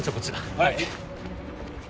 はい。